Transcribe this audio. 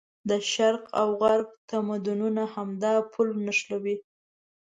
د شرق او غرب تمدونونه همدا پل نښلوي.